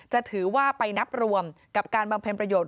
จะถือว่าไปนับรวมกับการบำเพ็ญประโยชน